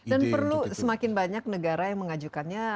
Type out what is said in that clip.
dan perlu semakin banyak negara yang mengajukannya